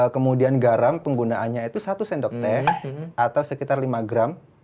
kemudian garam penggunaannya itu satu sendok teh atau sekitar lima gram